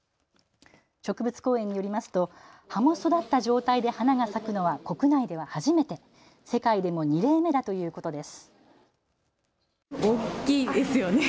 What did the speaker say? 植物公園によりますと葉も育った状態で花が咲くのは国内では初めて、世界でも２例目だということです。